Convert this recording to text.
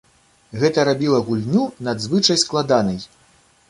Гэта рабіла гульню надзвычай складанай.